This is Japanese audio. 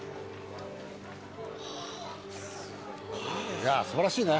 いや素晴らしいね。